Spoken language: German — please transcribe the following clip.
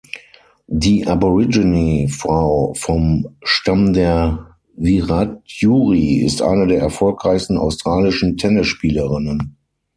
Die Aborigine-Frau vom Stamm der Wiradjuri ist eine der erfolgreichsten australischen Tennisspielerinnen.